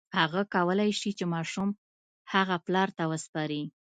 هغه کولی شي چې ماشوم هغه پلار ته وسپاري.